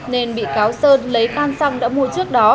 nên bị cáo sơn lấy than xăng đã mua trước đó